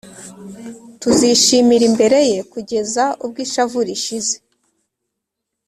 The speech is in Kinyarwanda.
Tuzishimira imbere ye kugeza ubw’ ishavu rishize